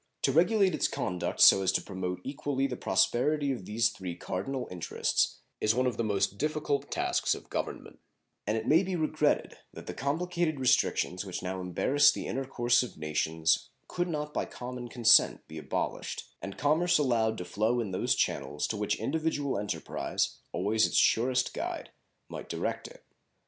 To regulate its conduct so as to promote equally the prosperity of these three cardinal interests is one of the most difficult tasks of Government; and it may be regretted that the complicated restrictions which now embarrass the intercourse of nations could not by common consent be abolished, and commerce allowed to flow in those channels to which individual enterprise, always its surest guide, might direct it.